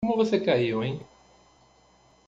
Como você caiu em?